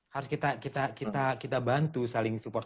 harus kita bantu saling support